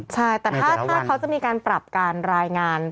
ใช่แต่ถ้าเขาจะมีการปรับการรายงาน